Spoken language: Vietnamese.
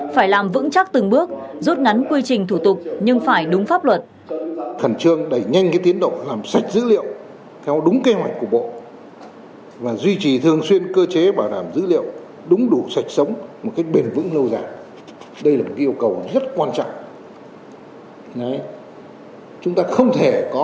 phải làm vững chắc từng bước rút ngắn quy trình thủ tục nhưng phải đúng pháp luật